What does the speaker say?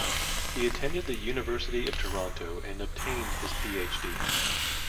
He attended the University of Toronto and obtained his PhD.